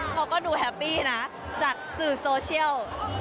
เขาก็ดูแฮปปี้นะจากสื่อโซเชียล